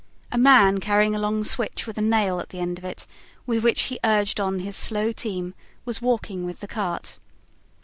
A man carrying a long switch with a nail at the end of it, with which he urged on his slow team, was walking with the cart.